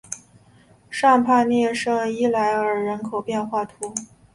尚帕涅圣伊莱尔人口变化图示